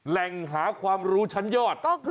แหล่งหาความรู้ชั้นยอด